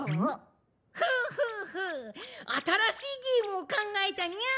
フフフあたらしいゲームをかんがえたニャ！